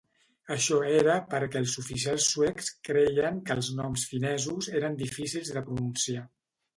Això era perquè els oficials suecs creien que els noms finesos eren difícils de pronunciar.